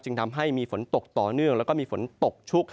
ทำให้มีฝนตกต่อเนื่องแล้วก็มีฝนตกชุก